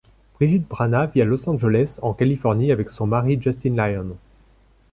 Brigid Brannagh vit à Los Angeles, en Californie avec son mari Justin Lyon.